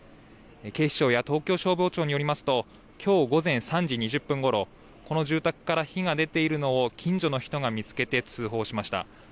警視庁や東京消防庁によりますと、きょう午前３時２０分ごろ、この住宅から火が出ているのを近所の人が見つけて通報しました。